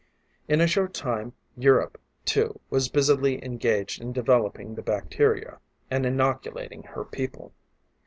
In a short time Europe, too, was busily engaged in developing the bacteria, and inoculating her people.